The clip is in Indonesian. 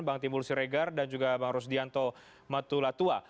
bang timbul siregar dan juga bang rusdianto matulatua